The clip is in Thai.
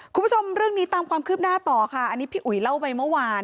คุณผู้ชมเรื่องนี้ตามความคืบหน้าต่อค่ะอันนี้พี่อุ๋ยเล่าไปเมื่อวาน